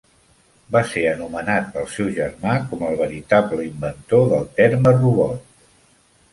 Va ser anomenat pel seu germà com el veritable inventor del terme "robot".